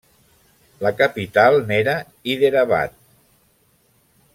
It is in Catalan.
La capital n'era Hyderabad.